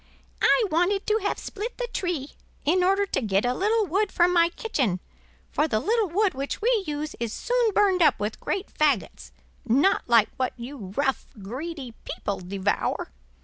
"I wanted to have split the tree, in order to get a little wood for my kitchen, for the little wood which we use is soon burned up with great fagots, not like what you rough, greedy people devour!